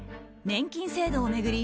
年金制度を巡り